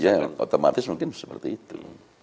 ya otomatis mungkin seperti itu